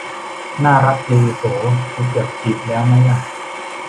น่ารักดี โห กูเกือบจีบแล้วมั๊ยล่ะ